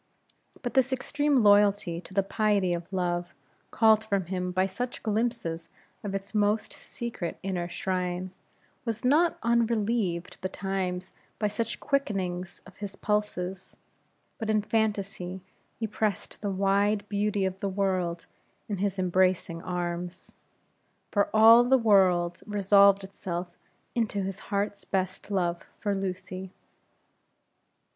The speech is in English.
But this extreme loyalty to the piety of love, called from him by such glimpses of its most secret inner shrine, was not unrelieved betimes by such quickenings of all his pulses, that in fantasy he pressed the wide beauty of the world in his embracing arms; for all his world resolved itself into his heart's best love for Lucy.